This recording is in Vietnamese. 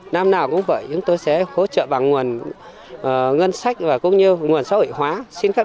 năm nào cũng vậy chúng tôi sẽ hỗ trợ bằng nguồn ngân sách và cũng như nguồn xã hội hóa xin các